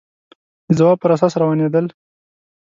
د ځواب پر اساس روانېدل